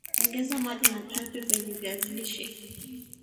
ongeza maji na chumvi kwenye viazi lishe